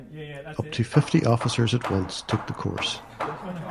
Up to fifty officers at once took the course.